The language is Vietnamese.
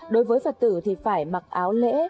đối với phật tử thì phải mặc áo lễ